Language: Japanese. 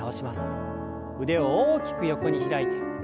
腕を大きく横に開いて。